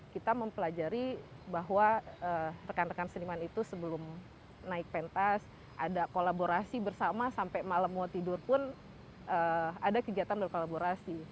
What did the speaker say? kita mempelajari bahwa rekan rekan seniman itu sebelum naik pentas ada kolaborasi bersama sampai malam mau tidur pun ada kegiatan berkolaborasi